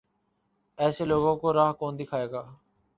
ایسے لوگوں کو راہ کون دکھائے گا؟